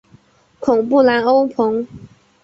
孔布兰欧蓬。